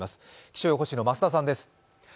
気象予報士の増田さんです。